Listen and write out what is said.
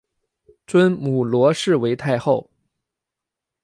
尊母罗氏为太后。